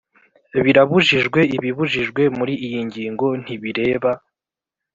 Birabujijwe ibibujijwe muri iyi ngingo ntibireba